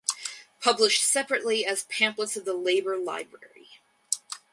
Published separately as pamphlets of the "Labor library".